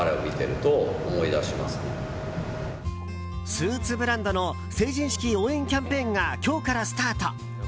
スーツブランドの成人式応援キャンペーンが今日からスタート。